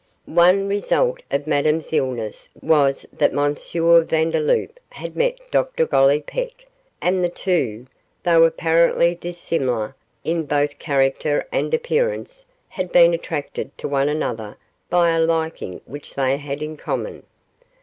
One result of Madame's illness was that M. Vandeloup had met Dr Gollipeck, and the two, though apparently dissimilar in both character and appearance, had been attracted to one another by a liking which they had in common.